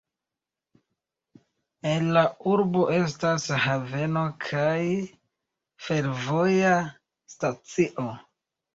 En la urbo estas haveno kaj fervoja stacio.